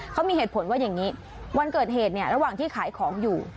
เขามีเหตุผลว่าอย่างนี้วันเกิดเหตุเนี่ยระหว่างที่ขายของอยู่